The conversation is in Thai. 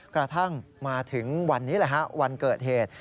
กระทั่งมาถึงวันนี้แหละฮะวันเกิดเหตุ